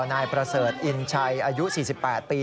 นายประเสริฐอินชัยอายุ๔๘ปี